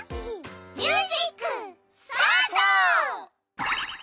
ミュージックスタート！